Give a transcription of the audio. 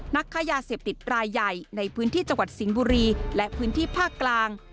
นักค้ายาเสพติดรายใหญ่ในพื้นที่จังหวัดสิงห์บุรีและพื้นที่ภาคกลาง